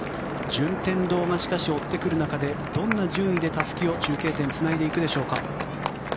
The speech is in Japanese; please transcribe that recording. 順天堂がしかし追ってくる中でどんな順位で中継点でたすきをつないでくるでしょうか。